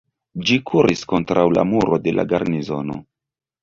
Ĝi kuris kontraŭ la muro de la garnizono.